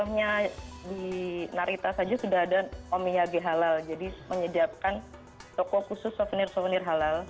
hanya di narita saja sudah ada omyagi halal jadi menyediakan toko khusus souvenir souvenir halal